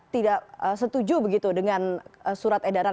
tidak setuju begitu dengan surat edaran